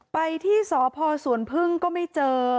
ไปที่สพสวนพึ่งก็ไม่เจอ